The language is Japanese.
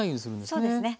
そうですね。